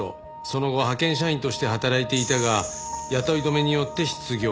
その後派遣社員として働いていたが雇い止めによって失業。